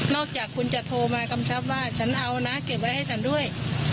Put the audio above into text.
จากคุณจะโทรมากำชับว่าฉันเอานะเก็บไว้ให้ฉันด้วย